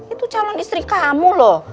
itu calon istri kamu loh